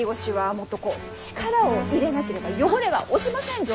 もっとこう力を入れなければ汚れは落ちませんぞ。